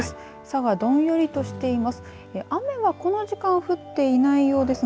佐賀、どんよりとしています。